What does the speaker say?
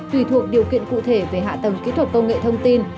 tùy thuộc điều kiện cụ thể về hạ tầng kỹ thuật công nghệ thông tin